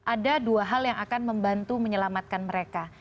ada dua hal yang akan membantu menyelamatkan mereka